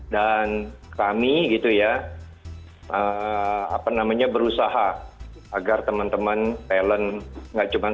dan kami gitu ya apa namanya berusaha agar teman teman talent nggak cuma seorang